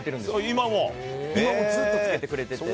今もずっとつけてくれてて。